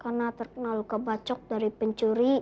karena terkena luka bacok dari pencuri